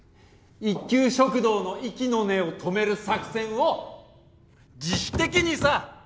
一休食堂の息の根を止める作戦を自主的にさ。